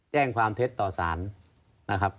แจ้งความเท็จต่อสารนะครับ